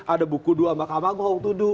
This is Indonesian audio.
ada buku dua mahkamah agung tuduh